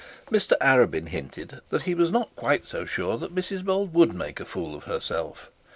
Mr Arabin hinted that he was not quite so sure that Mrs Bold would make a fool of herself.